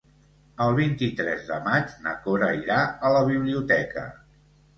El vint-i-tres de maig na Cora irà a la biblioteca.